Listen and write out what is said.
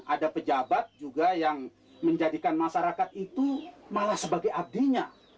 ada pejabat juga yang menjadikan masyarakat itu malah sebagai abdinya